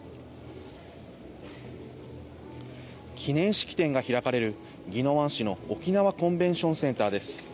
記念式典が開かれる宜野湾市の沖縄コンベンションセンターです。